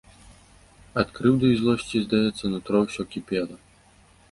Ад крыўды і злосці, здаецца, нутро ўсё кіпела.